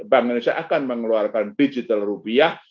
bank indonesia akan mengeluarkan digital rupiah